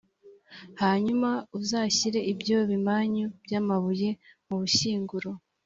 hanyuma uzashyire ibyo bimanyu by’amabuye mu bushyinguro.»